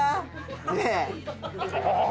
ねえ！